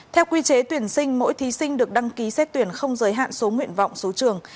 theo quy chế tuyển sinh mỗi thí sinh được đăng ký xét tuyển không giới hạn số nguyện vọng số trường